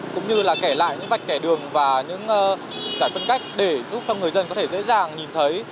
cũng như là kẻ lại những vạch kẻ đường và những giải phân cách để giúp cho người dân có thể dễ dàng nhìn thấy